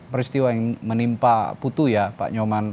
peristiwa yang menimpa putu ya pak nyoman